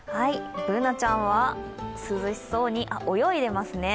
Ｂｏｏｎａちゃんは、涼しそうに泳いでますね。